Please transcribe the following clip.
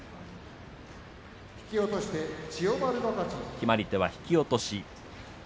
決まり手は引き落とし。